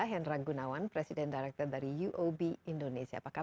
harus harus kita semua harus dites ya